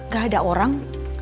gak ada orang